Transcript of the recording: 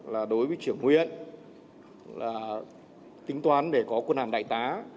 là đối với trưởng huyện là tính toán để có quân hàm đại tá